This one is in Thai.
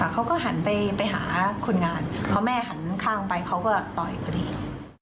เขาก็หันไปหาคนงานพอแม่หันข้างไปเขาก็ต่อยพอดี